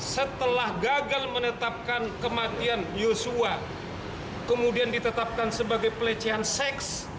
setelah gagal menetapkan kematian yosua kemudian ditetapkan sebagai pelecehan seks